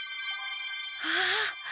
ああ。